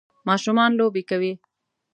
ماشومان لوبې کوي